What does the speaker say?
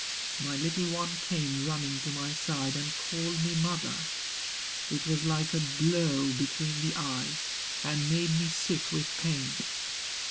My little one came running to my side And called me Mother. It was like a blow Between the eyes; and made me sick with pain.